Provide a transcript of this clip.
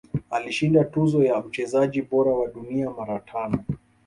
Alishinda tuzo ya mchezaji bora wa dunia mara tano